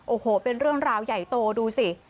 โอ้โหเป็นเรื่องราวใหญ่โตดูสิ